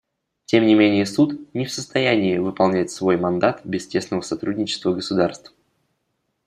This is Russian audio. Тем не менее Суд не в состоянии выполнять свой мандат без тесного сотрудничества государств.